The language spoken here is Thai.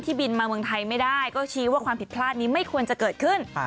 บินมาเมืองไทยไม่ได้ก็ชี้ว่าความผิดพลาดนี้ไม่ควรจะเกิดขึ้น